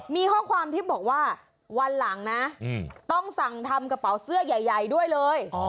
มีข้อความที่บอกว่าวันหลังนะต้องสั่งทำกระเป๋าเสื้อใหญ่ด้วยเลย